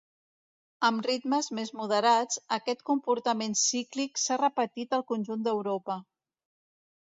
Amb ritmes més moderats, aquest comportament cíclic s'ha repetit al conjunt d'Europa.